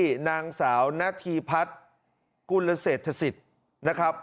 ที่นางสาวนาธีพัฒน์กุลเศรษฐศิษย์นะครับ